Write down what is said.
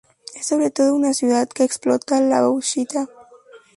Es sobre todo una ciudad que explota la bauxita.